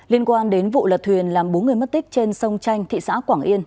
liên quan đến vụ lật thuyền làm bốn người mất tích trên sông chanh thị xã quảng yên